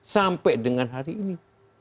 sampai dengan hari ini